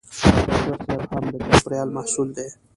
ډاکټر صېب هم د چاپېریال محصول دی.